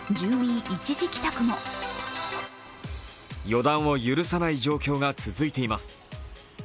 予断を許さない状況が続いています。